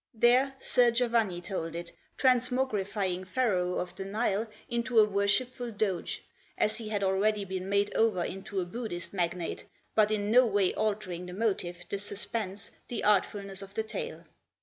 There Ser Giovanni told it, transmogrifying Pharaoh of the Nile into a worshipful Doge, as he had already been made over into a Buddhist magnate, but in no way altering the motive, the suspense, the artfulness of the tale.